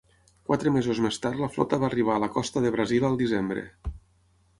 Quatre mesos més tard la flota va arribar a la costa de Brasil al desembre.